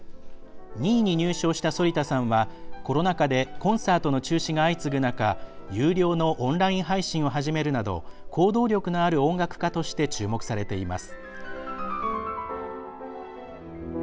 ２位に入賞した反田さんはコロナ禍でコンサートの中止が相次ぐ中有料のオンライン配信を始めるなど行動力のある音楽家として注目されています。